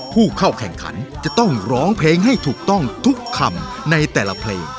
ผู้เข้าแข่งขันจะต้องร้องเพลงให้ถูกต้องทุกคำในแต่ละเพลง